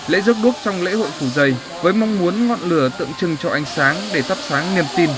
lễ rước đuốc trong lễ hội phủ dây với mong muốn ngọn lửa tượng trưng cho ánh sáng để thắp sáng niềm tin